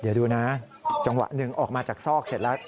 เดี๋ยวดูนะจังหวะหนึ่งออกมาจากซอกเสร็จแล้ว